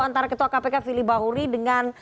antara ketua kpk fili bahuri dengan